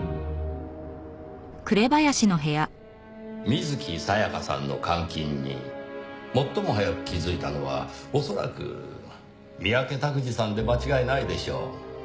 水木沙也加さんの監禁に最も早く気づいたのは恐らく三宅卓司さんで間違いないでしょう。